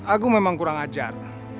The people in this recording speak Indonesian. aku memang kurang ajar